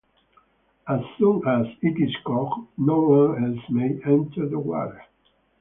As soon as it is caught no one else may enter the water.